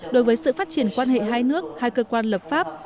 đối với sự phát triển quan hệ hai nước hai cơ quan lập pháp